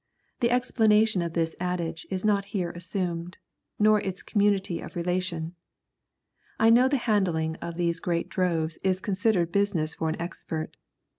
The explanation of this adage is not here assumed, nor its community of relation. I know the handling of these great droves is considered business for an expert.